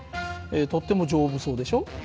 とっても丈夫そうでしょ？